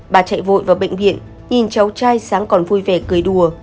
bà chạy vội vào bệnh viện nhìn cháu trai sáng còn vui vẻ cười đùa